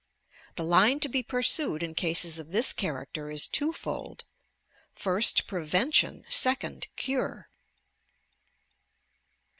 The line to be pursued in cases of this character is twofold. First prevention, second cure